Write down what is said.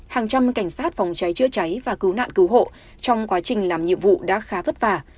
hàng trăm cảnh sát phòng cháy chữa cháy và cứu nạn cứu hộ trong quá trình làm nhiệm vụ đã khá vất vả